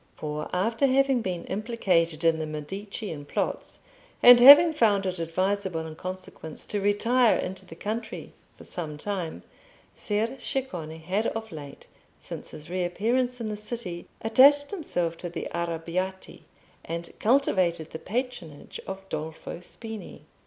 For after having been implicated in the Medicean plots, and having found it advisable in consequence to retire into the country for some time, Ser Ceccone had of late, since his reappearance in the city, attached himself to the Arrabbiati, and cultivated the patronage of Dolfo Spini.